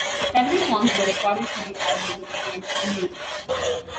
Several songs were recorded for the album that went unused.